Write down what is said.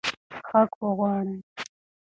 حق وغواړئ.